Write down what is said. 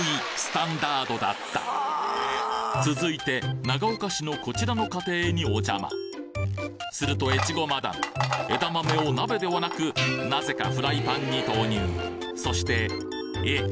続いて長岡市のこちらの家庭におじゃますると越後マダム枝豆を鍋ではなくなぜかフライパンに投入そしてえっ！